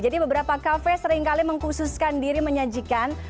jadi beberapa kafe seringkali mengkhususkan diri menyajikan